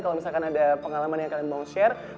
kalau misalkan ada pengalaman yang kalian mau share